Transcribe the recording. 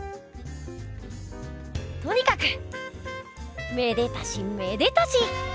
とにかくめでたしめでたし！